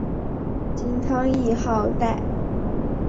金汤谥号戴。